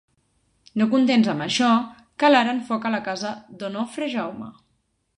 No contents amb això calaren foc a la casa d'Onofre Jaume.